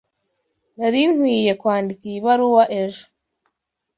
Nari nkwiye kwandika iyi baruwa ejo.